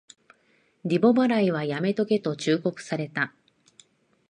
リボ払いはやめとけと忠告された